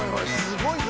すごいぞ」